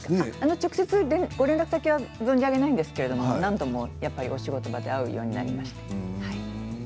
直接、連絡先は存じ上げないんですけど何度もお仕事場で会うようになりまして。